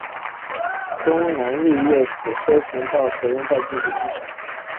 东南菱悦此车型到今日仍在继续生产。